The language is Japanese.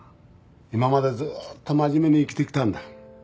今までずっと真面目に生きてきたんだ。